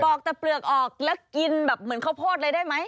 บอกแต่เปลือกออกแล้วกินแบบเหมือนข้าวโพดเลยได้ไหม